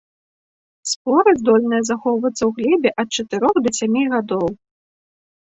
Споры здольныя захоўвацца ў глебе ад чатырох да сямі гадоў.